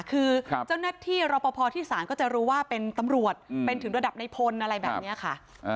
คือเจ้าหน้าที่รอปภที่ศาลก็จะรู้ว่าเป็นตำรวจเป็นถึงระดับในพลอะไรแบบนี้ค่ะ